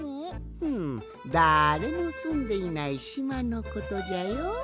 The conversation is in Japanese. ふむだれもすんでいないしまのことじゃよ。